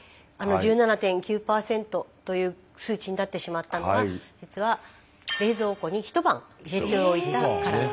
１７．９％という数値になってしまったのは実は冷蔵庫に一晩入れておいたからなんです。